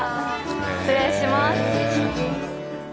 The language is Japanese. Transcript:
失礼します。